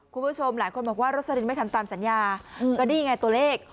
คุณผู้ชมหลายคนบอกว่าโรสลินไม่ทำตามสัญญาก็นี่ไงตัวเลข